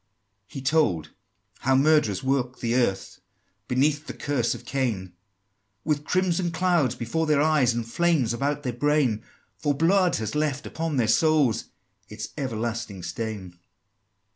XII. He told how murderers walk the earth Beneath the curse of Cain, With crimson clouds before their eyes, And flames about their brain: For blood has left upon their souls Its everlasting stain!